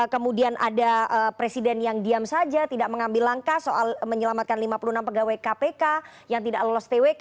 kemudian ada presiden yang diam saja tidak mengambil langkah soal menyelamatkan lima puluh enam pegawai kpk yang tidak lolos twk